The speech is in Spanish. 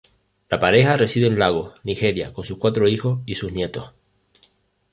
La pareja reside en Lagos, Nigeria con sus cuatro hijos y sus nietos.